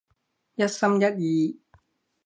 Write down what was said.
一心一意？